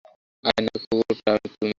আয়নার কুকুরটা তুমি।